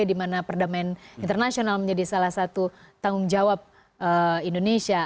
di mana perdamaian internasional menjadi salah satu tanggung jawab indonesia